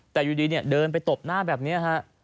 แต่อยู่ดีเดินไปตบหน้าแบบนี้ฮะ